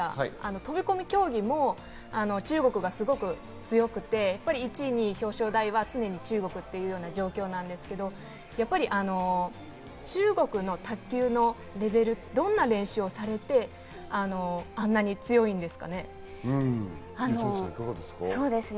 飛込競技も中国がすごく強くって１位、２位、表彰台は常に中国という状況なんですけど、やっぱり中国の卓球のレベル、どんな練習をされて、あんなに強いんですかね？